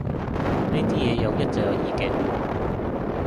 呢啲嘢有一就有二嘅